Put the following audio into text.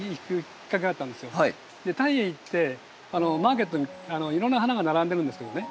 タイへ行ってマーケットにいろんな花が並んでるんですけどね